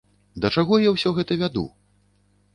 Да чаго я ўсё гэта вяду?